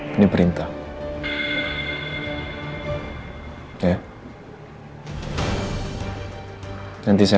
tapi kamu saja kamu seperti apa